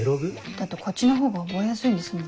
だってこっちのほうが覚えやすいんですもん。